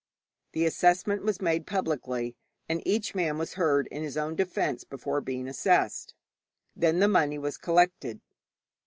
The assessment was made publicly, and each man was heard in his own defence before being assessed. Then the money was collected.